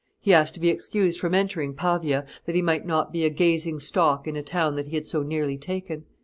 He asked to be excused from entering Pavia, that he might not be a gazing stock in a town that he had so nearly taken.